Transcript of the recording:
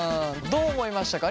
どう思いましたか？